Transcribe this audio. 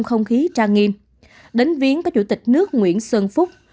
chủ tịch nước nguyễn xuân phúc viếng phó chủ tịch ủy ban nhân dân tp hcm